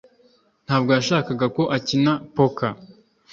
ntabwo yashakaga ko akina poker